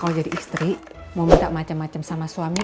mau jadi istri mau minta macam macam sama suami